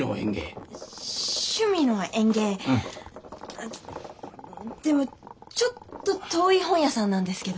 あでもちょっと遠い本屋さんなんですけど。